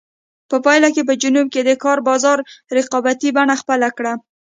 په پایله کې په جنوب کې د کار بازار رقابتي بڼه خپله کړه.